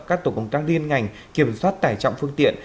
các tổ công tác liên ngành kiểm soát tải trọng phương tiện